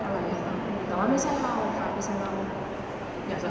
แล้วก็เรื่องของขวดใจช่างภาพกับนางนามนิตภาพจริงแล้วไม่ใช่ตานนะค่ะ